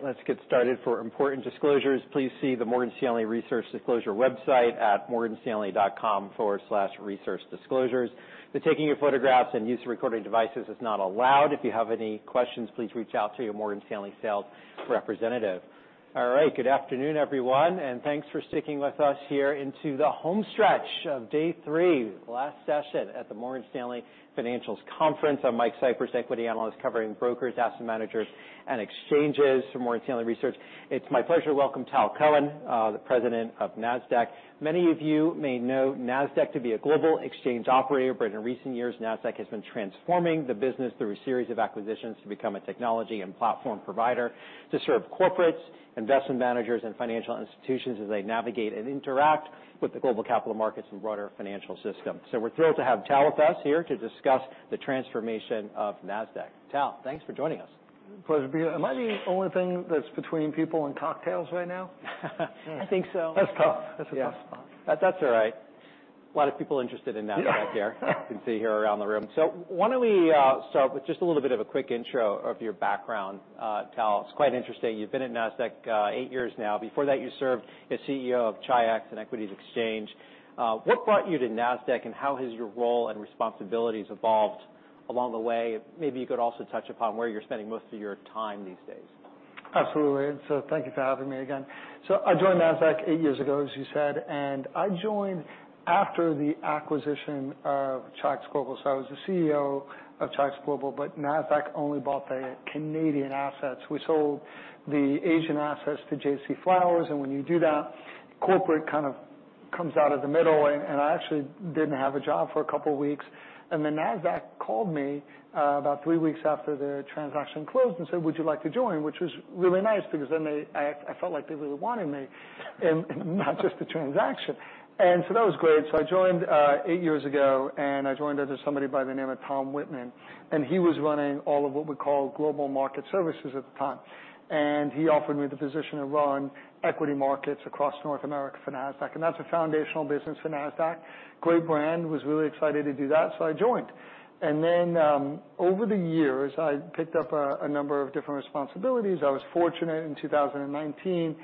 All right. Let's get started. For important disclosures, please see the Morgan Stanley Research Disclosure website at morganstanley.com/researchdisclosures. The taking of photographs and use of recording devices is not allowed. If you have any questions, please reach out to your Morgan Stanley sales representative. All right. Good afternoon, everyone, and thanks for sticking with us here into the homestretch of day three, the last session at the Morgan Stanley Financials Conference. I'm Mike Cyprys, equity analyst covering brokers, asset managers, and exchanges for Morgan Stanley Research. It's my pleasure to welcome Tal Cohen, the President of Nasdaq. Many of you may know Nasdaq to be a global exchange operator, but in recent years, Nasdaq has been transforming the business through a series of acquisitions to become a technology and platform provider to serve corporates, investment managers, and financial institutions as they navigate and interact with the global capital markets and broader financial system. So we're thrilled to have Tal with us here to discuss the transformation of Nasdaq. Tal, thanks for joining us. Pleasure to be here. Am I the only thing that's between people and cocktails right now? I think so. That's tough. That's a tough spot. That's all right. A lot of people are interested in Nasdaq here. You can see here around the room. So why don't we start with just a little bit of a quick intro of your background, Tal? It's quite interesting. You've been at Nasdaq eight years now. Before that, you served as CEO of Chi-X and Equities Exchange. What brought you to Nasdaq, and how has your role and responsibilities evolved along the way? Maybe you could also touch upon where you're spending most of your time these days. Absolutely. Thank you for having me again. I joined Nasdaq eight years ago, as you said, and I joined after the acquisition of Chi-X Global. I was the CEO of Chi-X Global, but Nasdaq only bought the Canadian assets. We sold the Asian assets to J.C. Flowers, and when you do that, corporate kind of comes out of the middle. I actually didn't have a job for a couple of weeks. Then Nasdaq called me about three weeks after the transaction closed and said, "Would you like to join?" which was really nice because then I felt like they really wanted me and not just the transaction. That was great. I joined eight years ago, and I joined under somebody by the name of Tom Wittman, and he was running all of what we call global market services at the time. He offered me the position to run equity markets across North America for Nasdaq. That's a foundational business for Nasdaq. Great brand. I was really excited to do that, so I joined. Then over the years, I picked up a number of different responsibilities. I was fortunate in 2019 to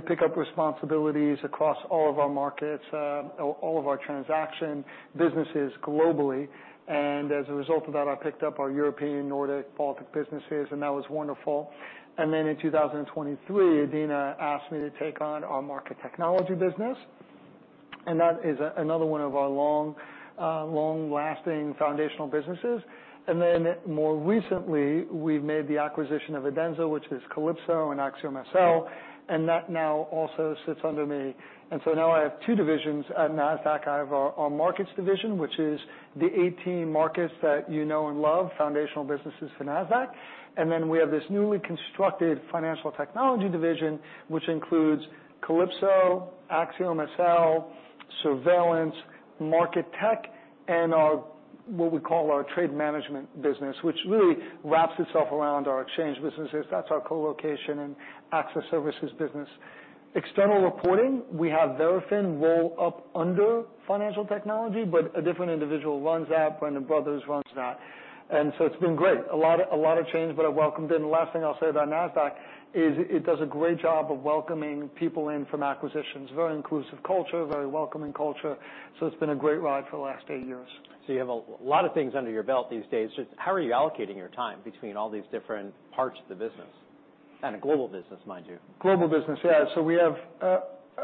pick up responsibilities across all of our markets, all of our transaction businesses globally. As a result of that, I picked up our European, Nordic, Baltic businesses, and that was wonderful. Then in 2023, Adena asked me to take on our market technology business, and that is another one of our long-lasting foundational businesses. Then more recently, we've made the acquisition of Adenza, which is Calypso and AxiomSL, and that now also sits under me. So now I have two divisions at Nasdaq. I have our markets division, which is the 18 markets that you know and love, foundational businesses for Nasdaq. And then we have this newly constructed financial technology division, which includes Calypso, AxiomSL, Surveillance, Market Tech, and what we call our trade management business, which really wraps itself around our exchange businesses. That's our colocation and access services business. External reporting, we have Verafin roll up under financial technology, but a different individual runs that. Brendan Brothers runs that. And so it's been great. A lot of change, but I welcomed in. The last thing I'll say about Nasdaq is it does a great job of welcoming people in from acquisitions. Very inclusive culture, very welcoming culture. So it's been a great ride for the last eight years. You have a lot of things under your belt these days. How are you allocating your time between all these different parts of the business? A global business, mind you. Global business, yeah. So we have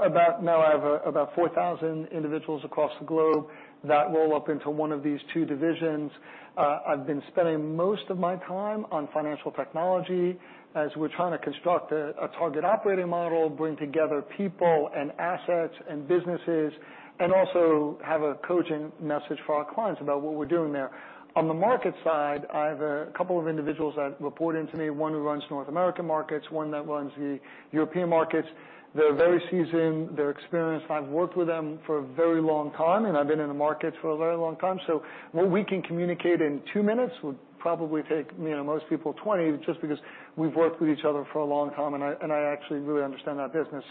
about now I have about 4,000 individuals across the globe that roll up into one of these two divisions. I've been spending most of my time on financial technology as we're trying to construct a target operating model, bring together people and assets and businesses, and also have a cogent message for our clients about what we're doing there. On the market side, I have a couple of individuals that report in to me, one who runs North American markets, one that runs the European markets. They're very seasoned. They're experienced. I've worked with them for a very long time, and I've been in the markets for a very long time. So what we can communicate in two minutes would probably take most people 20, just because we've worked with each other for a long time, and I actually really understand that business.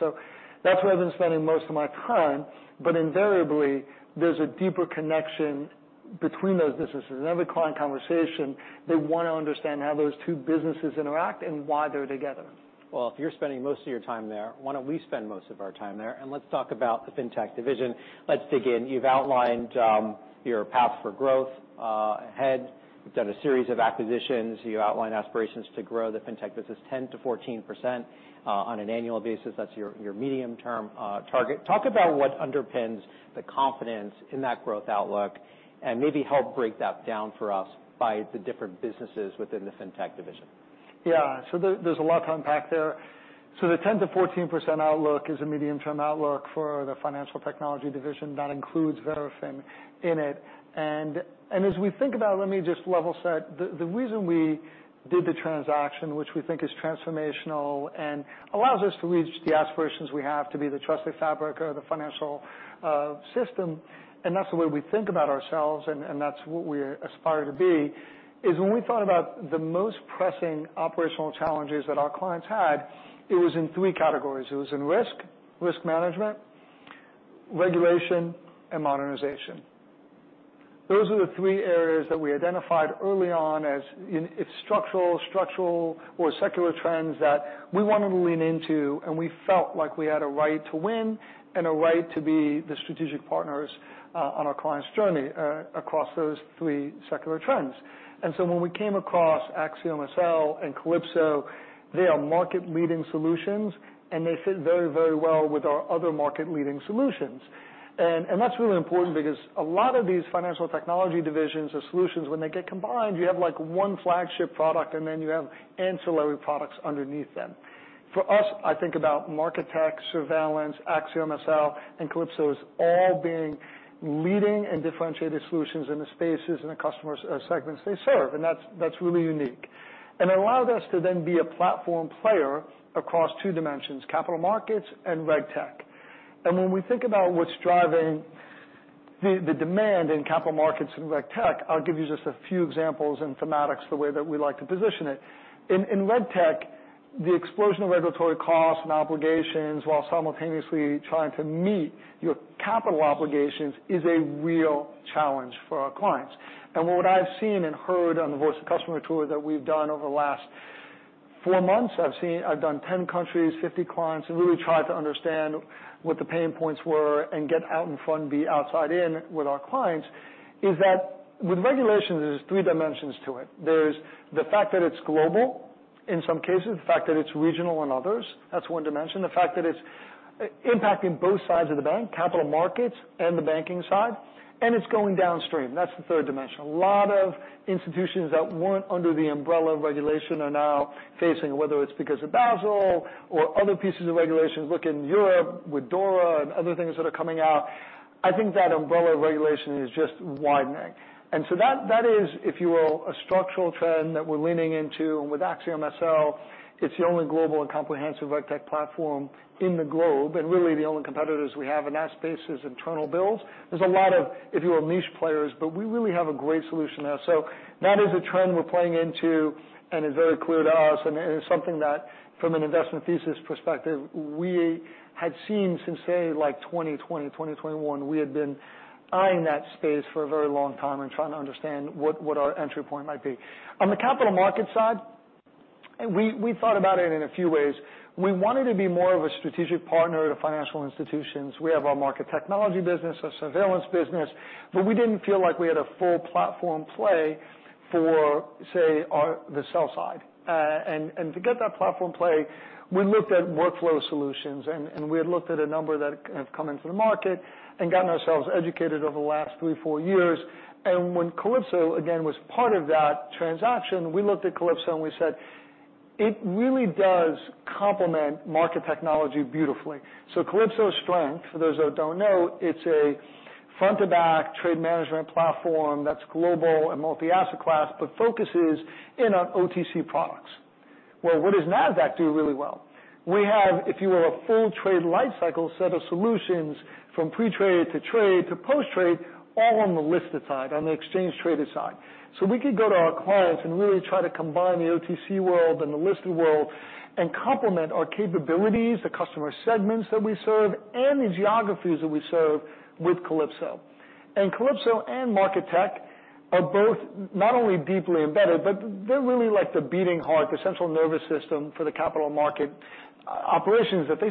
That's where I've been spending most of my time, but invariably, there's a deeper connection between those businesses. Every client conversation, they want to understand how those two businesses interact and why they're together. Well, if you're spending most of your time there, why don't we spend most of our time there? Let's talk about the fintech division. Let's dig in. You've outlined your path for growth ahead. You've done a series of acquisitions. You outlined aspirations to grow the fintech business 10%-14% on an annual basis. That's your medium-term target. Talk about what underpins the confidence in that growth outlook and maybe help break that down for us by the different businesses within the fintech division. Yeah. So there's a lot to unpack there. So the 10%-14% outlook is a medium-term outlook for the financial technology division. That includes Verafin in it. And as we think about, let me just level set, the reason we did the transaction, which we think is transformational and allows us to reach the aspirations we have to be the trusted fabric or the financial system, and that's the way we think about ourselves and that's what we aspire to be, is when we thought about the most pressing operational challenges that our clients had, it was in three categories. It was in risk, risk management, regulation, and modernization. Those are the three areas that we identified early on as structural, structural or secular trends that we wanted to lean into, and we felt like we had a right to win and a right to be the strategic partners on our clients' journey across those three secular trends. And so when we came across AxiomSL and Calypso, they are market-leading solutions, and they fit very, very well with our other market-leading solutions. And that's really important because a lot of these financial technology divisions or solutions, when they get combined, you have one flagship product, and then you have ancillary products underneath them. For us, I think about Market Tech, Surveillance, AxiomSL, and Calypso as all being leading and differentiated solutions in the spaces and the customer segments they serve. And that's really unique. And it allowed us to then be a platform player across two dimensions: capital markets and RegTech. And when we think about what's driving the demand in capital markets and RegTech, I'll give you just a few examples and thematics the way that we like to position it. In RegTech, the explosion of regulatory costs and obligations while simultaneously trying to meet your capital obligations is a real challenge for our clients. And what I've seen and heard on the Voice of the Customer tour that we've done over the last four months, I've done 10 countries, 50 clients, and really tried to understand what the pain points were and get out in front and be outside in with our clients, is that with regulations, there's three dimensions to it. There's the fact that it's global in some cases, the fact that it's regional in others. That's one dimension. The fact that it's impacting both sides of the bank, capital markets and the banking side, and it's going downstream. That's the third dimension. A lot of institutions that weren't under the umbrella of regulation are now facing, whether it's because of Basel or other pieces of regulations like in Europe with DORA and other things that are coming out. I think that umbrella of regulation is just widening. And so that is, if you will, a structural trend that we're leaning into. And with AxiomSL, it's the only global and comprehensive RegTech platform in the globe and really the only competitors we have in that space is internal builds. There's a lot of, if you will, niche players, but we really have a great solution there. So that is a trend we're playing into and is very clear to us. It's something that from an investment thesis perspective, we had seen since, say, like 2020, 2021, we had been eyeing that space for a very long time and trying to understand what our entry point might be. On the capital market side, we thought about it in a few ways. We wanted to be more of a strategic partner to financial institutions. We have our market technology business, our Surveillance business, but we didn't feel like we had a full platform play for, say, the sell side. To get that platform play, we looked at workflow solutions, and we had looked at a number that have come into the market and gotten ourselves educated over the last three, four years. And when Calypso, again, was part of that transaction, we looked at Calypso and we said, "It really does complement market technology beautifully." So Calypso's strength, for those who don't know, it's a front-to-back trade management platform that's global and multi-asset class, but focuses in on OTC products. Well, what does Nasdaq do really well? We have, if you will, a full trade lifecycle set of solutions from pre-trade to trade to post-trade, all on the listed side, on the exchange-traded side. So we could go to our clients and really try to combine the OTC world and the listed world and complement our capabilities, the customer segments that we serve, and the geographies that we serve with Calypso. And Calypso and Market Tech are both not only deeply embedded, but they're really like the beating heart, the central nervous system for the capital market operations that they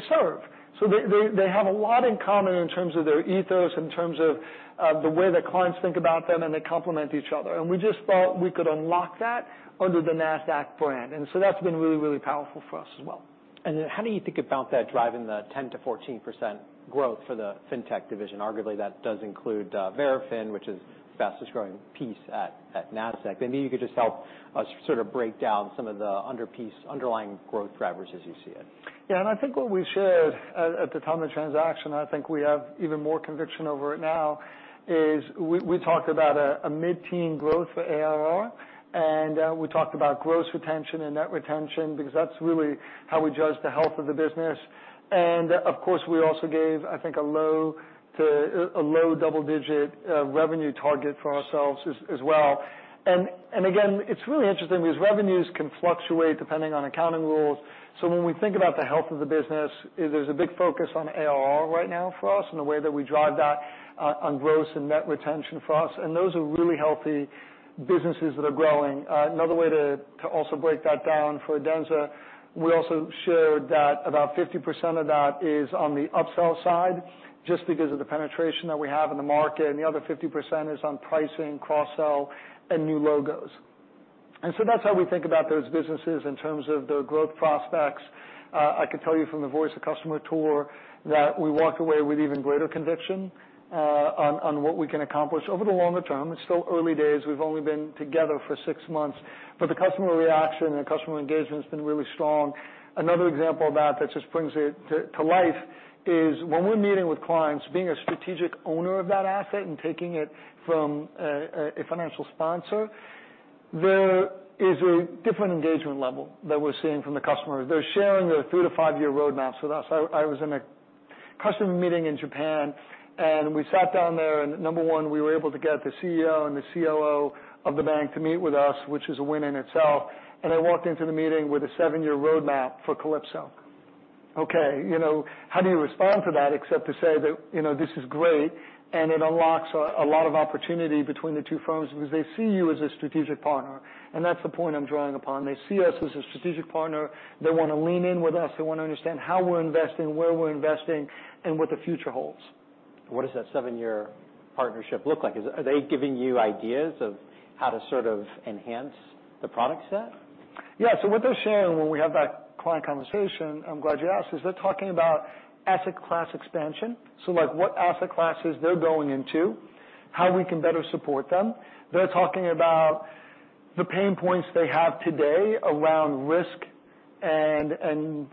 serve. They have a lot in common in terms of their ethos, in terms of the way that clients think about them, and they complement each other. We just thought we could unlock that under the Nasdaq brand. So that's been really, really powerful for us as well. How do you think about that driving the 10%-14% growth for the fintech division? Arguably, that does include Verafin, which is the fastest-growing piece at Nasdaq. Maybe you could just help us sort of break down some of the underlying growth drivers as you see it. Yeah. And I think what we shared at the time of the transaction, I think we have even more conviction over it now, is we talked about a mid-teen growth for ARR, and we talked about gross retention and net retention because that's really how we judge the health of the business. And of course, we also gave, I think, a low double-digit revenue target for ourselves as well. And again, it's really interesting because revenues can fluctuate depending on accounting rules. So when we think about the health of the business, there's a big focus on ARR right now for us and the way that we drive that on gross and net retention for us. And those are really healthy businesses that are growing. Another way to also break that down for Adenza, we also shared that about 50% of that is on the upsell side just because of the penetration that we have in the market, and the other 50% is on pricing, cross-sell, and new logos. And so that's how we think about those businesses in terms of their growth prospects. I could tell you from the Voice of the Customer tour that we walked away with even greater conviction on what we can accomplish over the longer term. It's still early days. We've only been together for six months, but the customer reaction and customer engagement has been really strong. Another example of that that just brings it to life is when we're meeting with clients, being a strategic owner of that asset and taking it from a financial sponsor; there is a different engagement level that we're seeing from the customers. They're sharing their three-five-year roadmaps with us. I was in a customer meeting in Japan, and we sat down there, and number one, we were able to get the CEO and the COO of the bank to meet with us, which is a win in itself. And I walked into the meeting with a seven-year roadmap for Calypso. Okay. How do you respond to that except to say that this is great and it unlocks a lot of opportunity between the two firms because they see you as a strategic partner? And that's the point I'm drawing upon. They see us as a strategic partner. They want to lean in with us. They want to understand how we're investing, where we're investing, and what the future holds. What does that seven-year partnership look like? Are they giving you ideas of how to sort of enhance the product set? Yeah. So what they're sharing when we have that client conversation, I'm glad you asked, is they're talking about asset class expansion. So what asset classes they're going into, how we can better support them. They're talking about the pain points they have today around risk and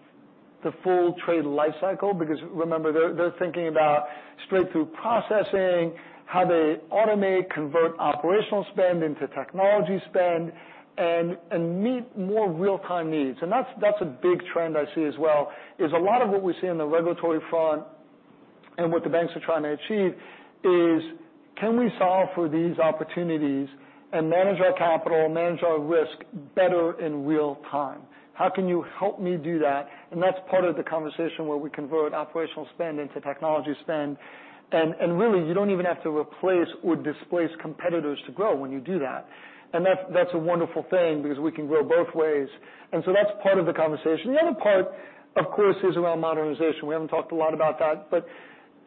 the full trade lifecycle because remember, they're thinking about straight-through processing, how they automate, convert operational spend into technology spend, and meet more real-time needs. And that's a big trend I see as well, is a lot of what we see on the regulatory front and what the banks are trying to achieve is, can we solve for these opportunities and manage our capital, manage our risk better in real time? How can you help me do that? And that's part of the conversation where we convert operational spend into technology spend. And really, you don't even have to replace or displace competitors to grow when you do that. And that's a wonderful thing because we can grow both ways. And so that's part of the conversation. The other part, of course, is around modernization. We haven't talked a lot about that. But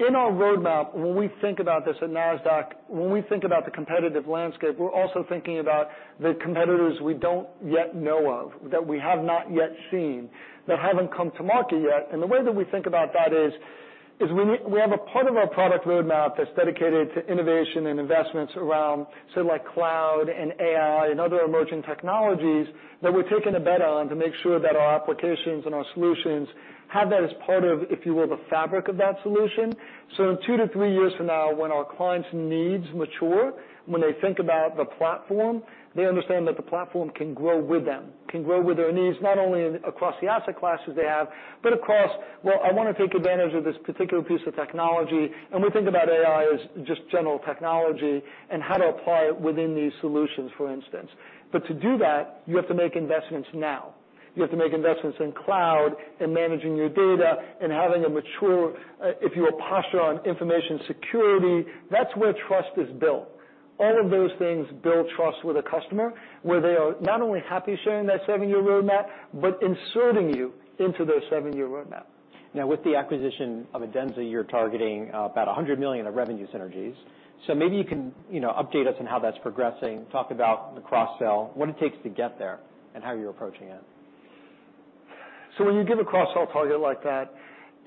in our roadmap, when we think about this at Nasdaq, when we think about the competitive landscape, we're also thinking about the competitors we don't yet know of, that we have not yet seen, that haven't come to market yet. And the way that we think about that is we have a part of our product roadmap that's dedicated to innovation and investments around, say, like cloud and AI and other emerging technologies that we're taking a bet on to make sure that our applications and our solutions have that as part of, if you will, the fabric of that solution. So in two-three years from now, when our clients' needs mature, when they think about the platform, they understand that the platform can grow with them, can grow with their needs, not only across the asset classes they have, but across, well, I want to take advantage of this particular piece of technology. And we think about AI as just general technology and how to apply it within these solutions, for instance. But to do that, you have to make investments now. You have to make investments in cloud and managing your data and having a mature, if you will, posture on information security. That's where trust is built. All of those things build trust with a customer where they are not only happy sharing that seven-year roadmap, but inserting you into their seven-year roadmap. Now, with the acquisition of Adenza, you're targeting about $100 million in revenue synergies. So maybe you can update us on how that's progressing, talk about the cross-sell, what it takes to get there, and how you're approaching it. So when you give a cross-sell target like that,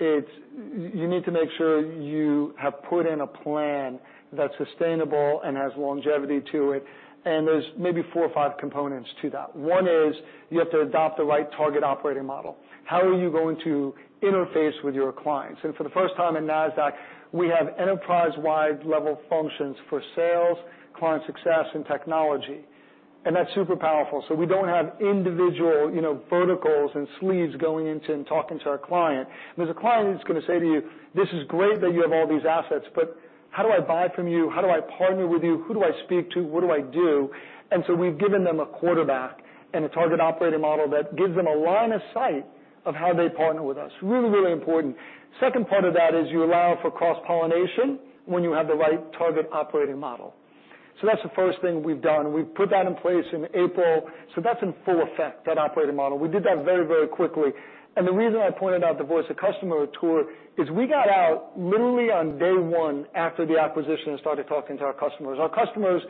you need to make sure you have put in a plan that's sustainable and has longevity to it. And there's maybe four or five components to that. One is you have to adopt the right target operating model. How are you going to interface with your clients? And for the first time at Nasdaq, we have enterprise-wide level functions for sales, client success, and technology. And that's super powerful. So we don't have individual verticals and sleeves going into and talking to our client. There's a client who's going to say to you, "This is great that you have all these assets, but how do I buy from you? How do I partner with you? Who do I speak to? “What do I do?” And so we've given them a quarterback and a target operating model that gives them a line of sight of how they partner with us. Really, really important. Second part of that is you allow for cross-pollination when you have the right target operating model. So that's the first thing we've done. We've put that in place in April. So that's in full effect, that operating model. We did that very, very quickly. And the reason I pointed out the Voice of the Customer tour is we got out literally on day one after the acquisition and started talking to our customers. Our customers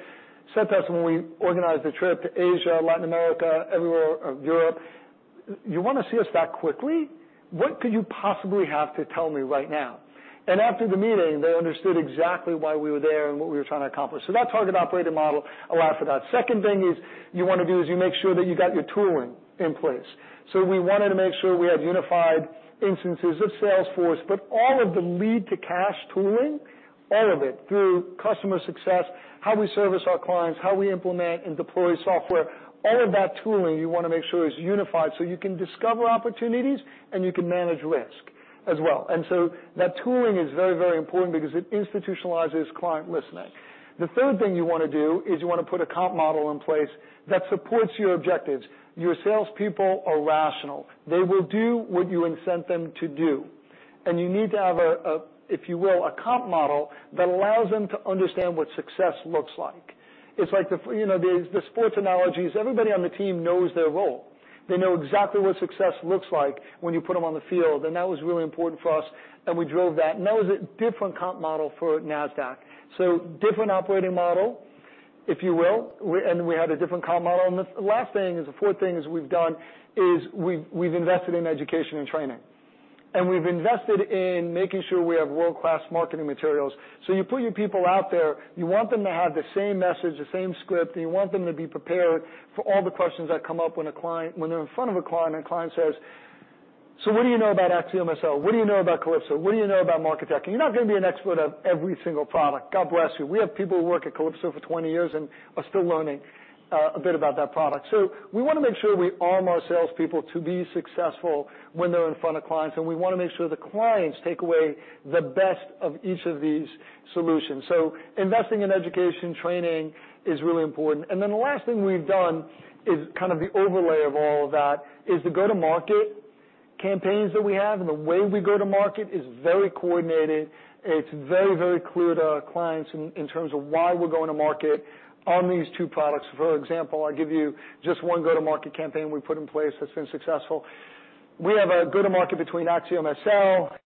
sent us when we organized the trip to Asia, Latin America, everywhere of Europe, “You want to see us that quickly?” What could you possibly have to tell me right now?" After the meeting, they understood exactly why we were there and what we were trying to accomplish. So that target operating model allowed for that. Second thing is you want to do is you make sure that you got your tooling in place. So we wanted to make sure we had unified instances of Salesforce, but all of the lead-to-cash tooling, all of it through customer success, how we service our clients, how we implement and deploy software, all of that tooling you want to make sure is unified so you can discover opportunities and you can manage risk as well. And so that tooling is very, very important because it institutionalizes client listening. The third thing you want to do is you want to put a comp model in place that supports your objectives. Your salespeople are rational. They will do what you intend them to do. And you need to have a, if you will, a comp model that allows them to understand what success looks like. It's like the sports analogies. Everybody on the team knows their role. They know exactly what success looks like when you put them on the field. And that was really important for us. And we drove that. And that was a different comp model for Nasdaq. So different operating model, if you will, and we had a different comp model. And the last thing, the fourth thing we've done, is we've invested in education and training. And we've invested in making sure we have world-class marketing materials. So you put your people out there. You want them to have the same message, the same script, and you want them to be prepared for all the questions that come up when they're in front of a client and a client says, "So what do you know about AxiomSL, what do you know about Calypso, what do you know about Market Tech?" And you're not going to be an expert on every single product. God bless you. We have people who work at Calypso for 20 years and are still learning a bit about that product. So we want to make sure we arm our salespeople to be successful when they're in front of clients. And we want to make sure the clients take away the best of each of these solutions. So investing in education and training is really important. The last thing we've done is kind of the overlay of all of that is the go-to-market campaigns that we have. The way we go-to-market is very coordinated. It's very, very clear to our clients in terms of why we're going to market on these two products. For example, I'll give you just one go-to-market campaign we put in place that's been successful. We have a go-to-market between AxiomSL. Operational spend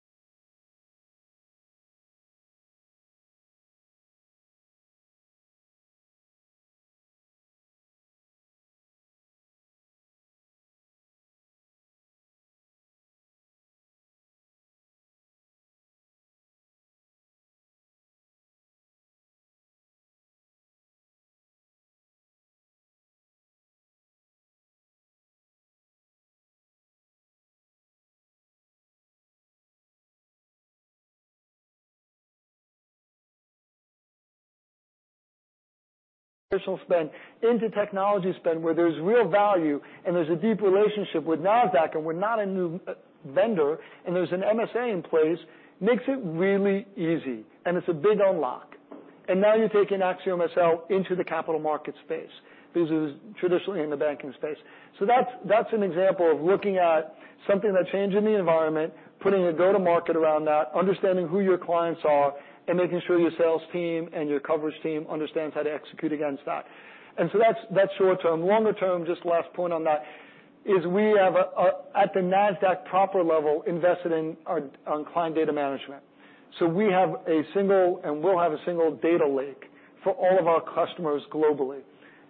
into technology spend where there's real value and there's a deep relationship with Nasdaq and we're not a new vendor and there's an MSA in place makes it really easy. It's a big unlock. Now you're taking AxiomSL into the capital market space because it was traditionally in the banking space. So that's an example of looking at something that changed in the environment, putting a go-to-market around that, understanding who your clients are, and making sure your sales team and your coverage team understands how to execute against that. That's short term. Longer term, just last point on that is we have, at the Nasdaq proper level, invested in our client data management. We have a single and will have a single data lake for all of our customers globally.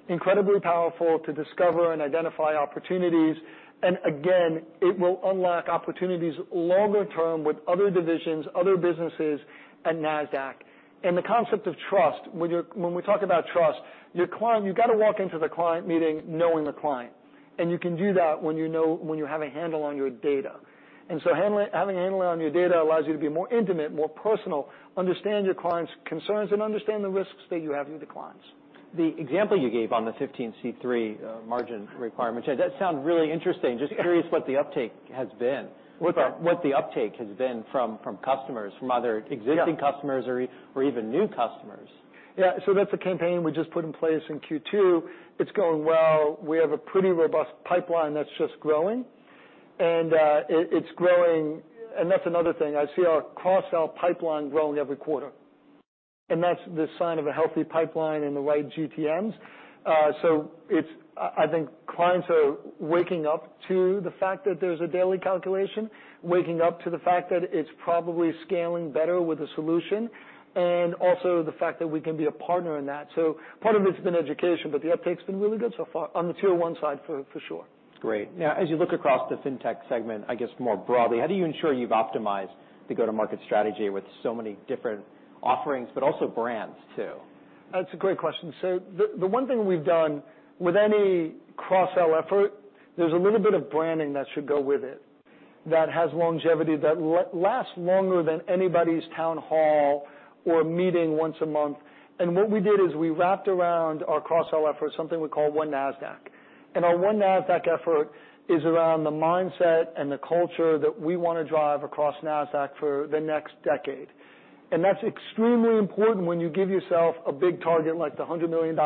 Incredibly powerful to discover and identify opportunities. Again, it will unlock opportunities longer term with other divisions, other businesses at Nasdaq. The concept of trust, when we talk about trust, you've got to walk into the client meeting knowing the client. You can do that when you have a handle on your data. Having a handle on your data allows you to be more intimate, more personal, understand your clients' concerns, and understand the risks that you have with the clients. The example you gave on the 15c3-1 margin requirement, that sounded really interesting. Just curious what the uptake has been. What the uptake has been from customers, from other existing customers or even new customers. Yeah. So that's a campaign we just put in place in Q2. It's going well. We have a pretty robust pipeline that's just growing. And it's growing. And that's another thing. I see our cross-sell pipeline growing every quarter. And that's the sign of a healthy pipeline and the right GTMs. So I think clients are waking up to the fact that there's a daily calculation, waking up to the fact that it's probably scaling better with a solution, and also the fact that we can be a partner in that. So part of it's been education, but the uptake has been really good so far on the tier one side for sure. Great. Now, as you look across the fintech segment, I guess more broadly, how do you ensure you've optimized the go-to-market strategy with so many different offerings, but also brands too? That's a great question. So the one thing we've done with any cross-sell effort, there's a little bit of branding that should go with it that has longevity, that lasts longer than anybody's town hall or meeting once a month. And what we did is we wrapped around our cross-sell effort something we call One Nasdaq. And our One Nasdaq effort is around the mindset and the culture that we want to drive across Nasdaq for the next decade. And that's extremely important when you give yourself a big target like the $100 million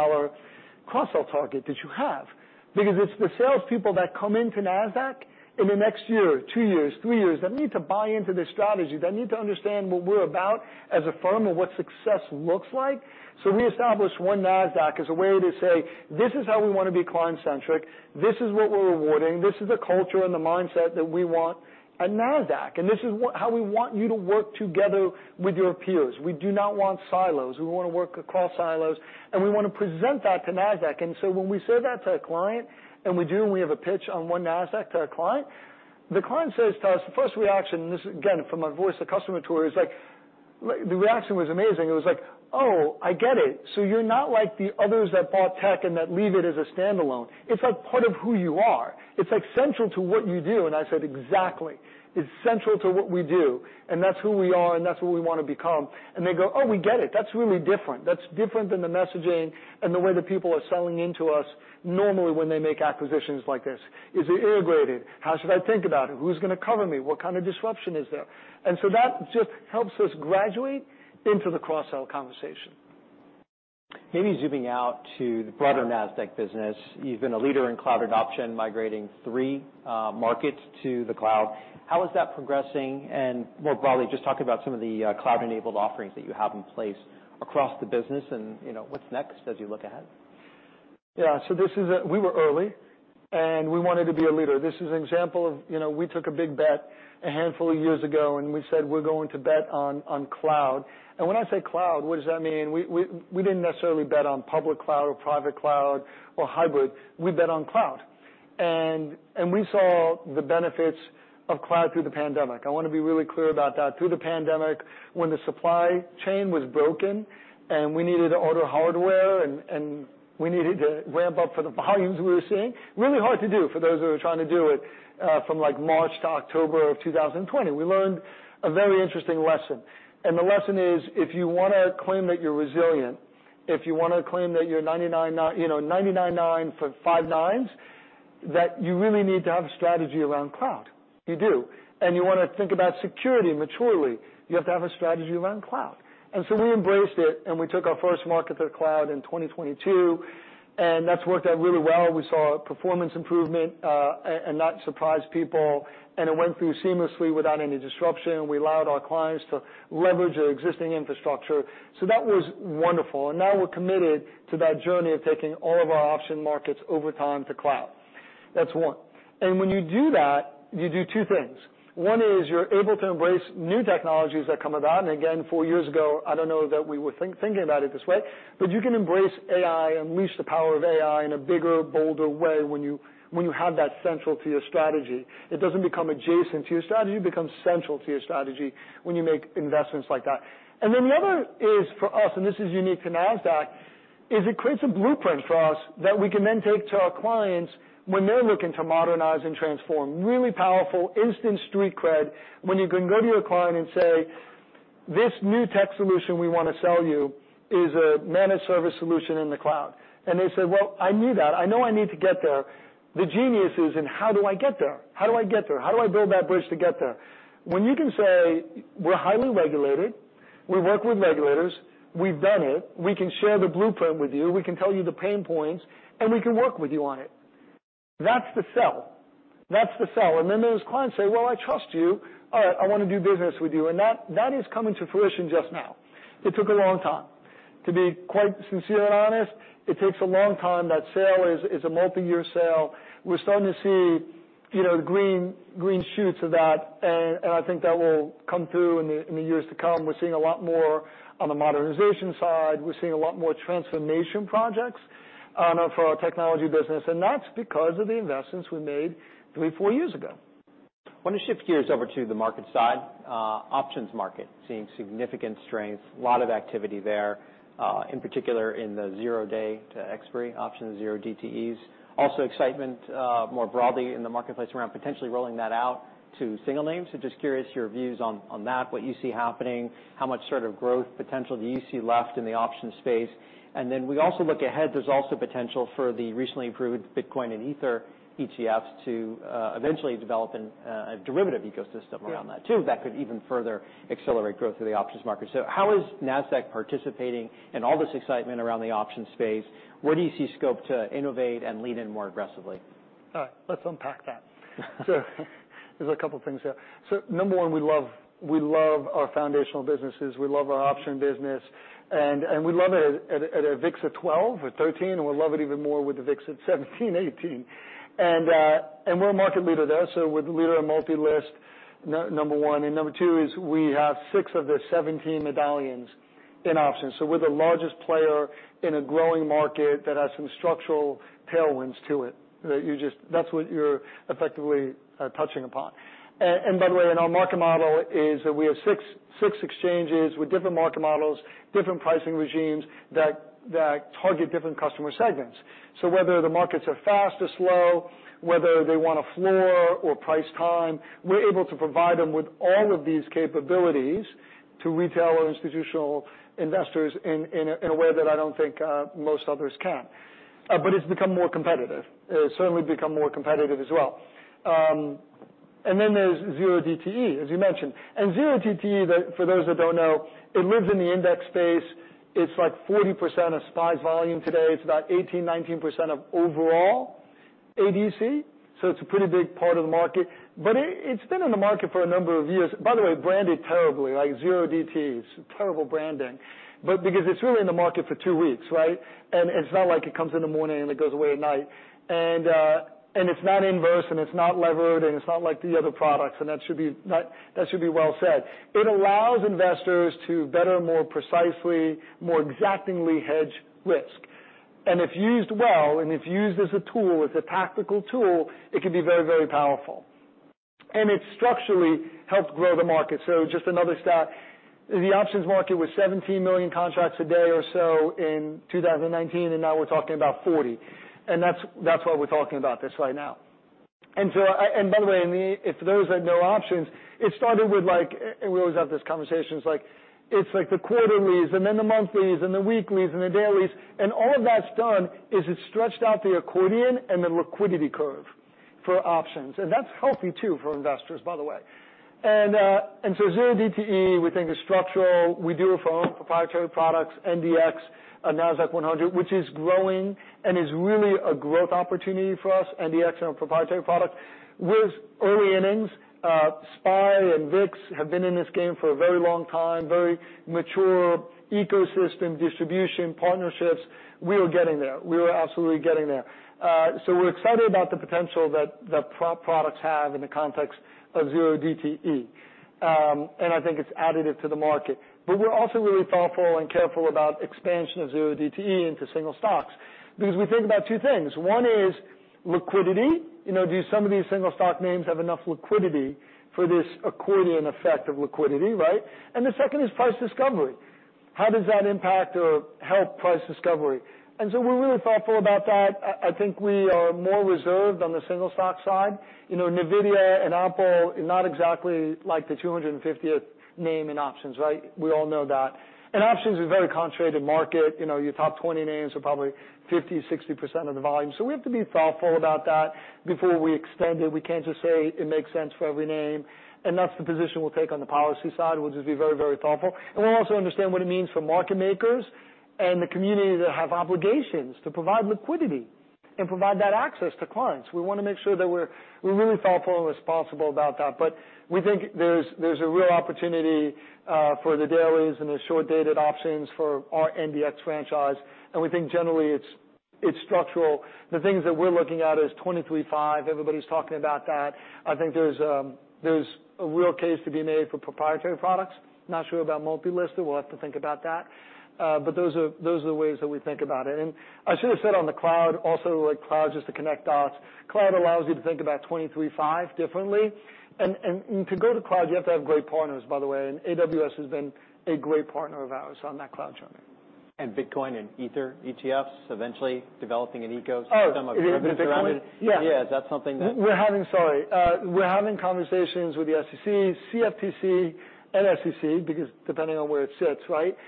cross-sell target that you have because it's the salespeople that come into Nasdaq in the next year, two years, three years that need to buy into this strategy, that need to understand what we're about as a firm and what success looks like. So we established One Nasdaq as a way to say, "This is how we want to be client-centric. This is what we're awarding. This is the culture and the mindset that we want at Nasdaq. And this is how we want you to work together with your peers. We do not want silos. We want to work across silos. And we want to present that to Nasdaq." And so when we say that to a client, and we do, and we have a pitch on One Nasdaq to our client, the client says to us, the first reaction, and this is again from my Voice of the Customer tour, is the reaction was amazing. It was like, "Oh, I get it. So you're not like the others that bought tech and that leave it as a standalone. It's part of who you are. It's central to what you do." And I said, "Exactly. It's central to what we do. And that's who we are. And that's what we want to become." And they go, "Oh, we get it. That's really different. That's different than the messaging and the way that people are selling into us normally when they make acquisitions like this. Is it integrated? How should I think about it? Who's going to cover me? What kind of disruption is there?" And so that just helps us graduate into the cross-sell conversation. Maybe zooming out to the broader Nasdaq business, you've been a leader in cloud adoption, migrating 3 markets to the cloud. How is that progressing? And more broadly, just talk about some of the cloud-enabled offerings that you have in place across the business and what's next as you look ahead. Yeah. So we were early. And we wanted to be a leader. This is an example of we took a big bet a handful of years ago, and we said, "We're going to bet on cloud." And when I say cloud, what does that mean? We didn't necessarily bet on public cloud or private cloud or hybrid. We bet on cloud. And we saw the benefits of cloud through the pandemic. I want to be really clear about that. Through the pandemic, when the supply chain was broken and we needed to order hardware and we needed to ramp up for the volumes we were seeing, really hard to do for those who were trying to do it from March to October of 2020. We learned a very interesting lesson. The lesson is, if you want to claim that you're resilient, if you want to claim that you're 99.9% for five nines, that you really need to have a strategy around cloud. You do. And you want to think about security maturely. You have to have a strategy around cloud. And so we embraced it, and we took our first market to the cloud in 2022. And that's worked out really well. We saw performance improvement and that surprised people. And it went through seamlessly without any disruption. We allowed our clients to leverage their existing infrastructure. So that was wonderful. And now we're committed to that journey of taking all of our option markets over time to cloud. That's one. And when you do that, you do two things. One is you're able to embrace new technologies that come about. And again, four years ago, I don't know that we were thinking about it this way, but you can embrace AI and unleash the power of AI in a bigger, bolder way when you have that central to your strategy. It doesn't become adjacent to your strategy. It becomes central to your strategy when you make investments like that. And then the other is for us, and this is unique to Nasdaq, is it creates a blueprint for us that we can then take to our clients when they're looking to modernize and transform. Really powerful instant street cred when you can go to your client and say, "This new tech solution we want to sell you is a managed service solution in the cloud." And they say, "Well, I need that. I know I need to get there." The genius is, and how do I get there? How do I get there? How do I build that bridge to get there? When you can say, "We're highly regulated. We work with regulators. We've done it. We can share the blueprint with you. We can tell you the pain points. And we can work with you on it." That's the sell. That's the sell. And then those clients say, "Well, I trust you. All right. I want to do business with you." And that is coming to fruition just now. It took a long time. To be quite sincere and honest, it takes a long time. That sale is a multi-year sale. We're starting to see the green shoots of that. And I think that will come through in the years to come. We're seeing a lot more on the modernization side. We're seeing a lot more transformation projects for our technology business. That's because of the investments we made three or four years ago. Want to shift gears over to the market side. Options market seeing significant strength, a lot of activity there, in particular in the zero-day to expiry options, zero DTEs. Also excitement more broadly in the marketplace around potentially rolling that out to single names. So just curious your views on that, what you see happening, how much sort of growth potential do you see left in the option space? And then we also look ahead. There's also potential for the recently approved Bitcoin and Ether ETFs to eventually develop a derivative ecosystem around that too that could even further accelerate growth of the options market. So how is Nasdaq participating in all this excitement around the options space? Where do you see scope to innovate and lead in more aggressively? All right. Let's unpack that. So there's a couple of things here. So number one, we love our foundational businesses. We love our option business. And we love it at a VIX of 12 or 13, and we'll love it even more with a VIX of 17, 18. And we're a market leader there. So we're the leader of multi-list, number one. And number two is we have six of the 17 medallions in options. So we're the largest player in a growing market that has some structural tailwinds to it. That's what you're effectively touching upon. And by the way, our market model is that we have six exchanges with different market models, different pricing regimes that target different customer segments. So whether the markets are fast or slow, whether they want a floor or price time, we're able to provide them with all of these capabilities to retail or institutional investors in a way that I don't think most others can. But it's become more competitive. It's certainly become more competitive as well. And then there's Zero DTE, as you mentioned. And Zero DTE, for those that don't know, it lives in the index space. It's like 40% of SPY's volume today. It's about 18%-19% of overall ADV. So it's a pretty big part of the market. But it's been in the market for a number of years. By the way, branded terribly, like Zero DTEs, terrible branding. But because it's really in the market for two weeks, right? And it's not like it comes in the morning and it goes away at night. And it's not inverse, and it's not levered, and it's not like the other products. And that should be well said. It allows investors to better, more precisely, more exactingly hedge risk. And if used well, and if used as a tool, as a tactical tool, it can be very, very powerful. And it's structurally helped grow the market. So just another stat. The options market was 17 million contracts a day or so in 2019, and now we're talking about 40. And that's why we're talking about this right now. And by the way, for those that know options, it started with, and we always have this conversation, it's like the quarterlies and then the monthlies and the weeklies and the dailies. And all of that's done is it's stretched out the accordion and the liquidity curve for options. And that's healthy too for investors, by the way. Zero DTE, we think is structural. We do it for our own proprietary products, NDX, Nasdaq 100, which is growing and is really a growth opportunity for us, NDX and our proprietary product. We're in early innings. SPY and VIX have been in this game for a very long time, very mature ecosystem, distribution, partnerships. We are getting there. We are absolutely getting there. So we're excited about the potential that the products have in the context of zero DTE. And I think it's additive to the market. But we're also really thoughtful and careful about expansion of zero DTE into single stocks because we think about two things. One is liquidity. Do some of these single stock names have enough liquidity for this accordion effect of liquidity, right? And the second is price discovery. How does that impact or help price discovery? And so we're really thoughtful about that. I think we are more reserved on the single stock side. Nvidia and Apple are not exactly like the 250th name in options, right? We all know that. And options are a very concentrated market. Your top 20 names are probably 50%-60% of the volume. So we have to be thoughtful about that before we extend it. We can't just say it makes sense for every name. And that's the position we'll take on the policy side. We'll just be very, very thoughtful. And we'll also understand what it means for market makers and the community that have obligations to provide liquidity and provide that access to clients. We want to make sure that we're really thoughtful and responsible about that. But we think there's a real opportunity for the dailies and the short-dated options for our NDX franchise. We think generally it's structural. The things that we're looking at is 23/5. Everybody's talking about that. I think there's a real case to be made for proprietary products. Not sure about multi-list. We'll have to think about that. But those are the ways that we think about it. And I should have said on the cloud, also cloud is just to connect dots. Cloud allows you to think about 23/5 differently. And to go to cloud, you have to have great partners, by the way. And AWS has been a great partner of ours on that cloud journey. Bitcoin and Ether ETFs eventually developing an ecosystem of derivatives around it. Oh, derivatives. Yeah. Yeah. Is that something that? We're having conversations with the SEC, CFTC, and SEC, because depending on where it sits, right,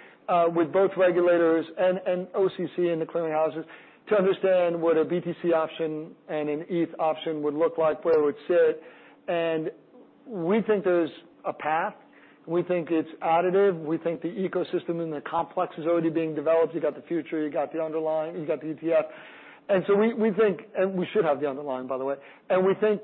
with both regulators and OCC and the clearing houses to understand what a BTC option and an ETH option would look like, where it would sit. We think there's a path. We think it's additive. We think the ecosystem and the complex is already being developed. You've got the future. You've got the underlying. You've got the ETF. And so we think, and we should have the underlying, by the way. We think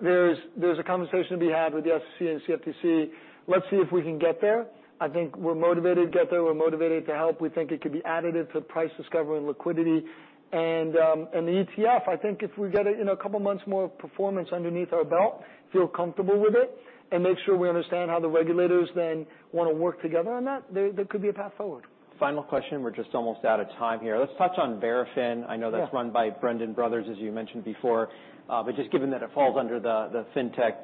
there's a conversation to be had with the SEC and CFTC. Let's see if we can get there. I think we're motivated to get there. We're motivated to help. We think it could be additive to price discovery and liquidity. The ETF, I think if we get a couple of months more of performance underneath our belt, feel comfortable with it, and make sure we understand how the regulators then want to work together on that, there could be a path forward. Final question. We're just almost out of time here. Let's touch on Verafin. I know that's run by Brendan Brothers, as you mentioned before. But just given that it falls under the fintech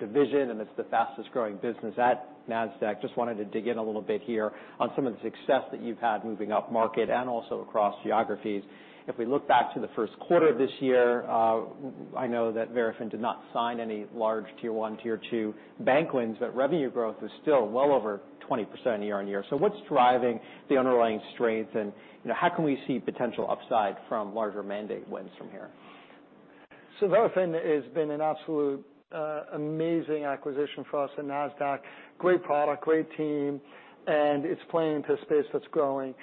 division and it's the fastest growing business at Nasdaq, just wanted to dig in a little bit here on some of the success that you've had moving up market and also across geographies. If we look back to the first quarter of this year, I know that Verafin did not sign any large tier one, tier two bank wins, but revenue growth was still well over 20% year-over-year. So what's driving the underlying strength? And how can we see potential upside from larger mandate wins from here? So Verafin has been an absolutely amazing acquisition for us at Nasdaq. Great product, great team. And it's playing into a space that's growing.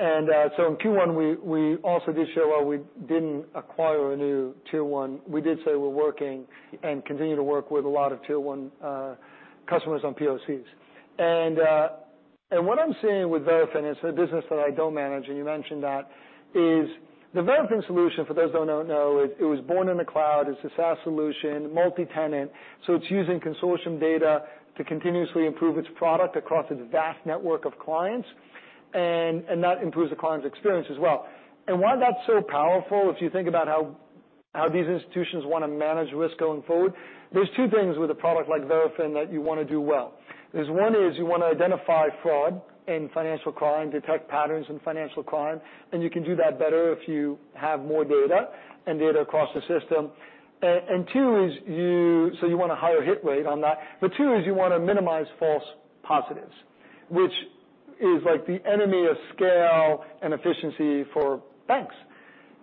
And so in Q1, we also did show why we didn't acquire a new tier one. We did say we're working and continue to work with a lot of tier one customers on POCs. And what I'm seeing with Verafin is a business that I don't manage, and you mentioned that, is the Verafin solution, for those who don't know, it was born in the cloud. It's a SaaS solution, multi-tenant. So it's using consortium data to continuously improve its product across its vast network of clients. And that improves the client's experience as well. Why that's so powerful, if you think about how these institutions want to manage risk going forward, there's two things with a product like Verafin that you want to do well. One is you want to identify fraud and financial crime, detect patterns in financial crime. And you can do that better if you have more data and data across the system. And two is you so you want a higher hit rate on that. But two is you want to minimize false positives, which is like the enemy of scale and efficiency for banks.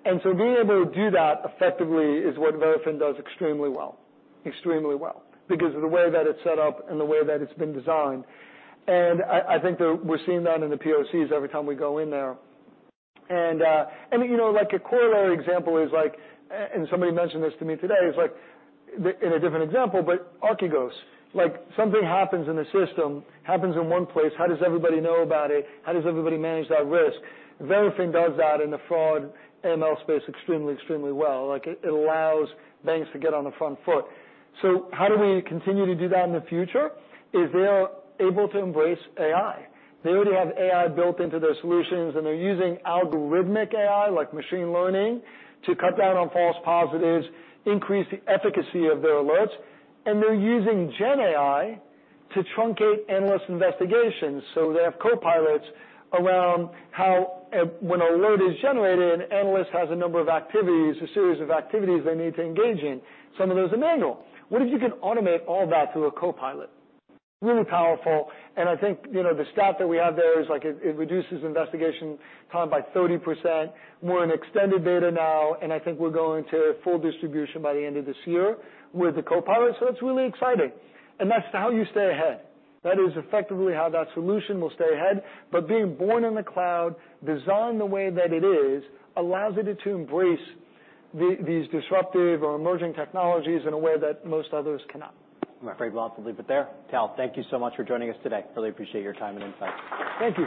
And so being able to do that effectively is what Verafin does extremely well, extremely well, because of the way that it's set up and the way that it's been designed. And I think that we're seeing that in the POCs every time we go in there. And like a corollary example is like, and somebody mentioned this to me today, it's like in a different example, but Archegos. Like something happens in the system, happens in one place, how does everybody know about it? How does everybody manage that risk? Verafin does that in the fraud ML space extremely, extremely well. It allows banks to get on the front foot. So how do we continue to do that in the future? If they're able to embrace AI. They already have AI built into their solutions, and they're using algorithmic AI, like machine learning, to cut down on false positives, increase the efficacy of their alerts. And they're using GenAI to truncate endless investigations. So they have copilots around how when an alert is generated, an analyst has a number of activities, a series of activities they need to engage in. Some of those are manual. What if you can automate all that through a Copilot? Really powerful. I think the stat that we have there is like it reduces investigation time by 30%. We're in extended data now, and I think we're going to full distribution by the end of this year with the Copilot. That's really exciting. That's how you stay ahead. That is effectively how that solution will stay ahead. Being born in the cloud, designed the way that it is, allows it to embrace these disruptive or emerging technologies in a way that most others cannot. I'm afraid we'll have to leave it there. Tal, thank you so much for joining us today. Really appreciate your time and insights. Thank you.